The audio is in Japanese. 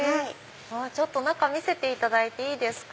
中見せていただいていいですか？